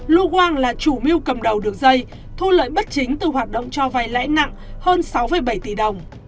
lưu quang là chủ mưu cầm đầu đường dây thu lợi bất chính từ hoạt động cho vay lãi nặng hơn sáu bảy tỷ đồng